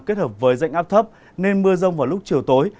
kết hợp với dạnh áp thấp nên mưa rông vào lúc chiều tối